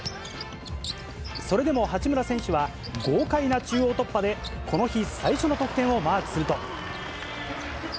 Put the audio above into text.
それでも八村選手は、豪快な中央突破で、この日最初の得点をマークすると。